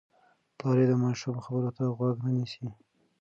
پلار یې د ماشوم خبرو ته غوږ نه نیسي.